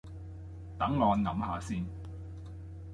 等我諗吓先